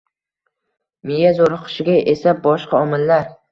Miya zo‘riqishiga esa boshqa omillar